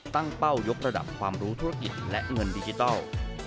เป้ายกระดับความรู้ธุรกิจและเงินดิจิทัล